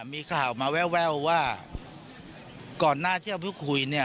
มีข่าวมาแววว่าก่อนหน้าที่เราเพิ่งคุยเนี่ย